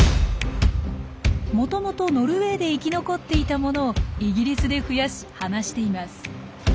もともとノルウェーで生き残っていたものをイギリスで増やし放しています。